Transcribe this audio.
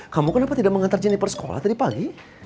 kamu kenapa tidak mengantar jenniper sekolah tadi pagi